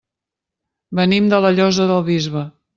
Venim de la Llosa del Bisbe.